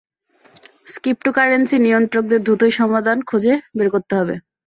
Cryptocurrency নিয়ন্ত্রকদের দ্রুতই সমাধান খুঁজে বের করতে হবে।